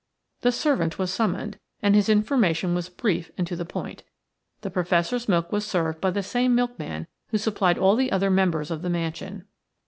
The servant was summoned, and his information was brief and to the point The Professor's milk was served by the same milkman who supplied all the other members of the mansion.